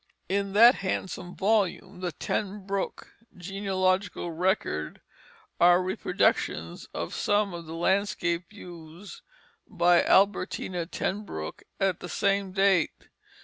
In that handsome volume, the Ten Broeck Genealogical Record, are reproductions of some of the landscape views by Albertina Ten Broeck at the same date.